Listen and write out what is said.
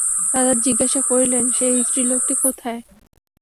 রাজা জিজ্ঞাসা করিলেন, সেই স্ত্রীলোকটি কোথায়?